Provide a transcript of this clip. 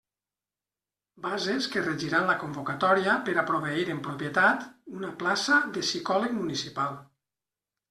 Bases que regiran la convocatòria per a proveir en propietat una plaça de psicòleg municipal.